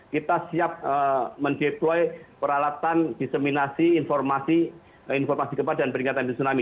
kita siap mengembalikan peralatan diseminasi informasi kepada peringatan dini tsunami